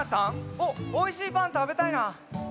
おっおいしいパンたべたいな。